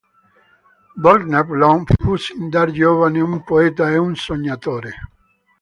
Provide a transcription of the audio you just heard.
Belknap Long fu sin da giovane un poeta e un sognatore.